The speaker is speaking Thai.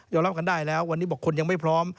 รับกันได้แล้ววันนี้บอกคนยังไม่พร้อม